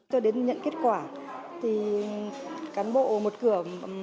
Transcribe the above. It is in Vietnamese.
tôi đến nhận kết quả thì cán bộ một cửa